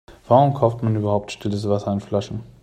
Warum kauft man überhaupt stilles Wasser in Flaschen?